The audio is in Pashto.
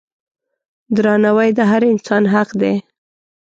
درناوی د هر انسان حق دی.